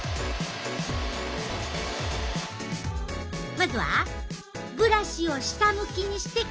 まずはブラシを下向きにして髪に当てる。